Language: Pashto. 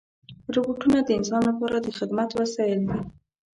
روبوټونه د انسان لپاره د خدمت وسایل دي.